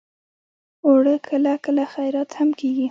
اوړه کله کله خیرات هم کېږي